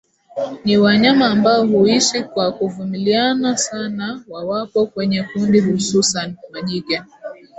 Ni wanyama ambao huishi kwa kuvumiliana sana wawapo kwenye kundi hususani majike